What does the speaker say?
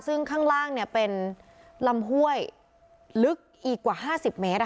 ซึ่งข้างล่างเป็นลำห้วยลึกอีกกว่า๕๐เมตร